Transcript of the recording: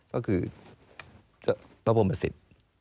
ก็คือพระพรหมสิต